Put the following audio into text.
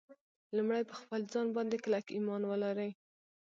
لومړی پر خپل ځان باندې کلک ایمان ولرئ